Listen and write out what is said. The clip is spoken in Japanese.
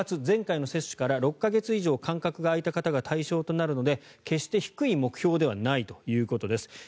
前回の接種から６か月以上間隔が空いた方が対象となるので決して低い目標ではないということです。